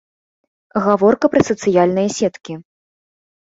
Гаворка пра сацыяльныя сеткі.